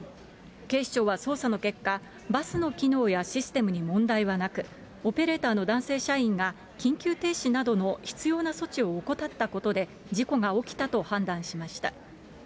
警視庁は捜査の結果、バスの機能やシステムに問題はなく、オペレーターの男性社員が、緊急停止などの必要な措置を怠ったことで、事故が起きたと判断しました。